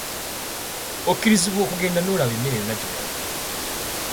Okkirizibwa okugenda nga weeroboza buli mmere gy’oyagala n’obega n’ossa ku ssowaani n’otuula n’olya.